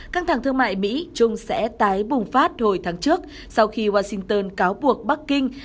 căng thẳng thương mại mỹ trung sẽ tái bùng phát hồi tháng trước sau khi washington cáo buộc bắc kinh